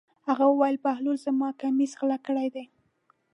هغه وویل: بهلول زما کمیس غلا کړی دی.